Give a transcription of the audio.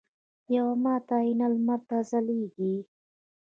یوه ماته آینه لمر ته ځلیږي